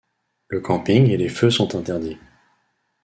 Le camping et les feux sont interdits.